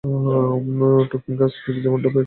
Two fingers, ঠিক যেমনটা ভেবেছিলাম।